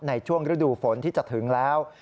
ในช่วงฤดูฝนที่จะถึงแล้ว